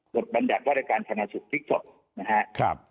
กฎบรรยาการชนะสุทธิ์ภูมิภิกษกนะครับ